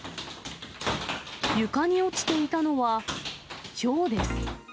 床に落ちていたのは、ひょうです。